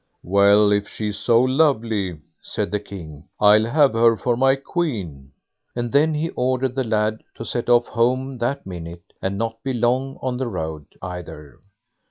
"Well, if she's so lovely", said the King, "I'll have her for my queen"; and then he ordered the lad to set off home that minute, and not be long on the road either.